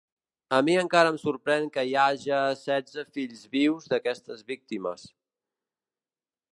A mi encara em sorprèn que hi haja setze fills vius d’aquestes víctimes.